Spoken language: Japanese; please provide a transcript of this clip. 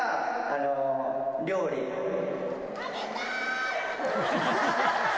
食べたーい！